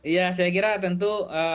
ya saya kira tentu